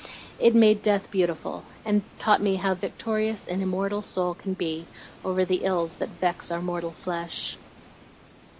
It made death beautiful, and taught me how victorious an immortal soul can be over the ills that vex our mortal flesh.